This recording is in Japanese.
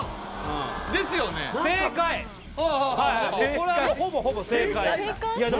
これはほぼほぼ正解。